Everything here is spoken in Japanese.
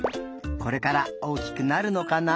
これから大きくなるのかな？